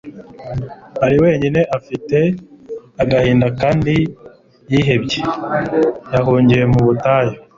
Ari wenyine afite agahinda kandi yihebye, yahungiye mu butayu.